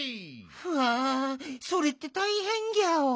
うわそれってたいへんギャオ。